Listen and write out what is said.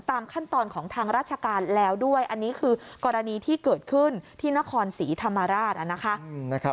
ตามขั้นตอนของทางราชการแล้วด้วยอันนี้คือกรณีที่เกิดขึ้นที่นครศรีธรรมราชนะคะ